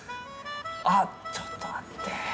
あっちょっと待って。